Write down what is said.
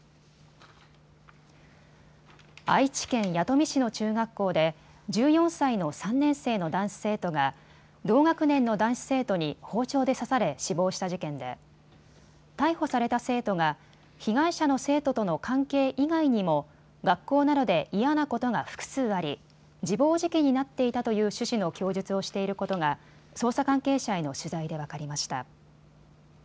愛知県弥富市の中学校で１４歳の３年生の男子生徒が同学年の男子生徒に包丁で刺され死亡した事件で逮捕された生徒が被害者の生徒との関係以外にも学校などで嫌なことが複数あり自暴自棄になっていたという趣旨の供述をしていることが捜査関係者への取材で分かりました。